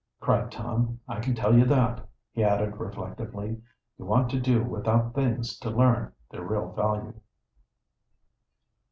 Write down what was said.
cried Tom. "I can tell you what," he added reflectively; "you want to do without things to learn their real value."